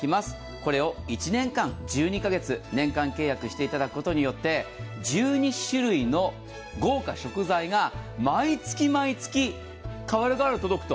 これを１年間１２カ月年間契約していただくことによって１２種類の豪華食材が毎月毎月代わる代わる届くと。